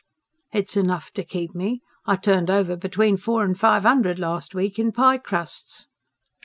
"It's enough to keep me. I turned over between four and five 'undred last week in 'Piecrusts.'"